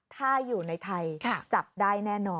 ถ้าอยู่ในไทยจับได้แน่นอน